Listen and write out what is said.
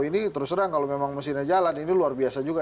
ini terus terang kalau memang mesinnya jalan ini luar biasa juga